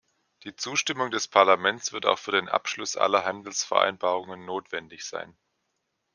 Die Zustimmung des Parlaments wird auch für den Abschluss aller Handelsvereinbarungen notwendig sein.